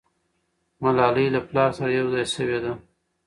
ملالۍ له پلاره سره یو ځای سوې ده.